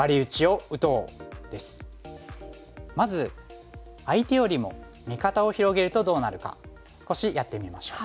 まず相手よりも味方を広げるとどうなるか少しやってみましょう。